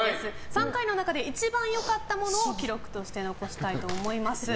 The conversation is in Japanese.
３回の中で一番良かったものを記録として残したいと思います。